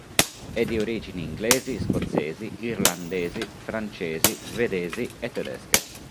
È di origini inglesi, scozzesi, irlandesi, francesi, svedesi e tedesche.